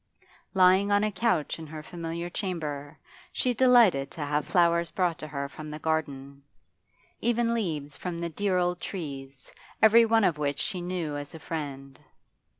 Lying on a couch in her familiar chamber, she delighted to have flowers brought to her from the garden, even leaves from the dear old trees, every one of which she knew as a friend.